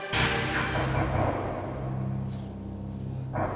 kau tahu apa